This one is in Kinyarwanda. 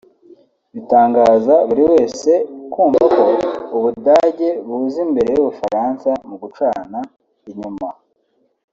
Bitangaza buri wese kumva ko u Budage buza imbere y’u Bufaransa mu gucana inyuma